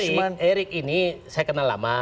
tapi kalau erik erik ini saya kenal lama